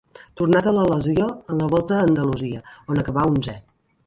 Tornà de la lesió en la Volta a Andalusia, on acabà onzè.